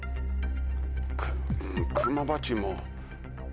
クマバチも。